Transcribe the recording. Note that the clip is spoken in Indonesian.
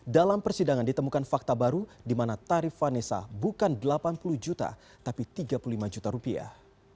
dalam persidangan ditemukan fakta baru di mana tarif vanessa bukan delapan puluh juta tapi tiga puluh lima juta rupiah